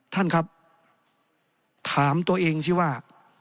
ท่านครับถามตัวเองสิว่า